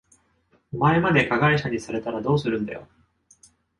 お前まで加害者にされたらどうするんだよ。